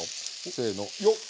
せのよっ！